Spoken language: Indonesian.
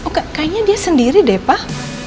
oke kayaknya dia sendiri deh pak